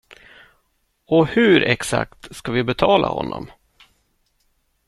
Och hur exakt ska vi betala honom?